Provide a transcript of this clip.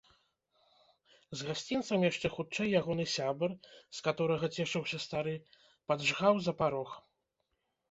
З гасцінцам яшчэ хутчэй ягоны сябар, з каторага цешыўся стары, паджгаў за парог.